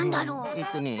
えっとね